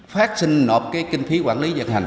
phát sinh nộp cái kinh phí quản lý dân hành